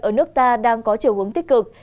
ở nước ta đang có chiều hướng tích cực